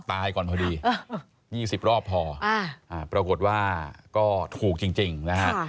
ตายก่อนพอดี๒๐รอบพออ่าอ่าปรากฏว่าก็ถูกจริงจริงนะครับ